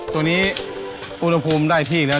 ตัวนี้อุณหภูมิได้ที่แล้ว